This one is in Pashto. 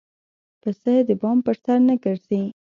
پسه د بام پر سر نه ګرځي.